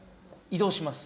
移動します